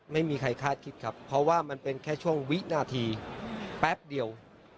ไม่มีใครคาดคิดครับเพราะว่ามันเป็นแค่ช่วงวินาทีแป๊บเดียว